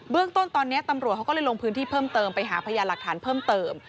เรื่องต้นตอนนี้ตำรวจเขาก็เลยลงพื้นที่เพิ่มเติมไปหาพยานหลักฐานเพิ่มเติม